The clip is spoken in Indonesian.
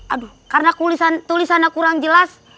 aduh karena tulisannya kurang jelas